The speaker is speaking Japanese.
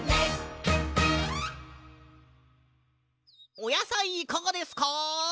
おやさいいかがですか？